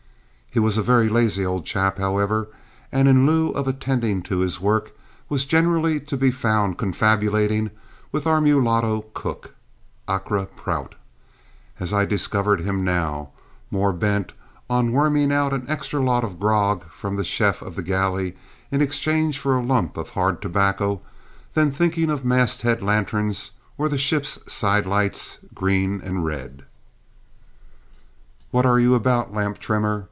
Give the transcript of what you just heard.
He was a very lazy old chap, however; and, in lieu of attending to his work, was generally to be found confabulating with our mulatto cook, Accra Prout, as I discovered him now, more bent on worming out an extra lot of grog from the chef of the galley in exchange for a lump of "hard" tobacco, than thinking of masthead lanterns or the ship's side lights, green and red. "What are you about, lamp trimmer?"